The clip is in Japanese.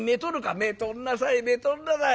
「めとんなさいめとんなさい！